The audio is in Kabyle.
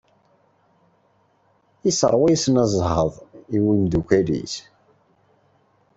Tuklaleḍ-t.